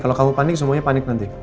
kalau kamu panik semuanya panik nanti